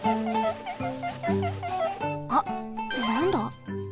あっなんだ？